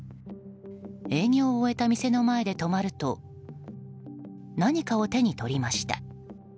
営業を終えた店の前で止まると何かを手に取りました。